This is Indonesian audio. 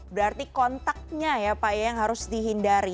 berarti kontaknya ya pak ya yang harus dihindari